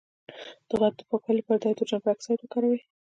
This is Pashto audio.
د غوږ د پاکوالي لپاره د هایدروجن پر اکسایډ وکاروئ